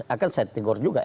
akan setigor juga